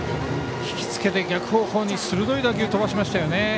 引きつけて逆方向に鋭い打球を飛ばしましたね。